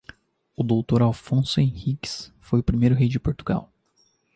O D. Afonso Henriques foi o primeiro rei de Portugal